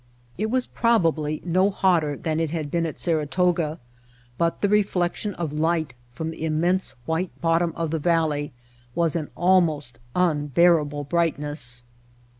It was probably no hotter than it had been at Saratoga, but the reflection of light from [lOO] Entering Death Valley the immense white bottom of the valley was an almost unbearable brightness.